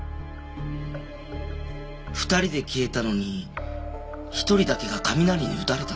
２人で消えたのに１人だけが雷に打たれたんですよね。